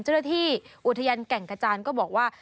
เจ้าหน้าที่อุทยานแก่งกระจานก็บอกว่า